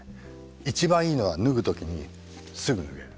一番いいのは脱ぐ時にすぐ脱げる。